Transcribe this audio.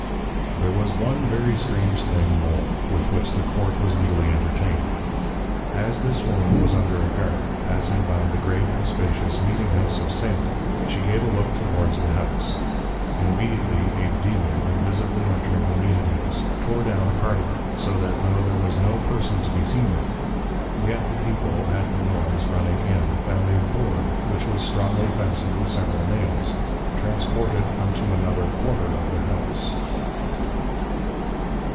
There was one very strange thing more, with which the Court was newly entertained. As this Woman was under a Guard, passing by the great and spacious Meeting house of Salem, she gave a look towards the House: And immediately a Dæmon invisibly entring the Meeting house, tore down a part of it; so that tho' there was no Person to be seen there, yet the People, at the noise, running in, found a Board, which was strongly fastned with several Nails, transported unto another quarter of the House.